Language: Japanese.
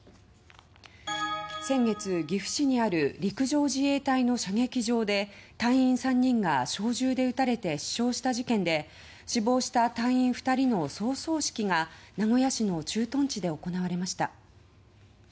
先月、岐阜市にある陸上自衛隊の射撃場で隊員３人が小銃で撃たれて死傷した事件で死亡した隊員２人の葬送式が名古屋市の駐屯地で行われました。